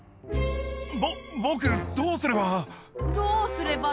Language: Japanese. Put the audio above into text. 僕、どうすれば？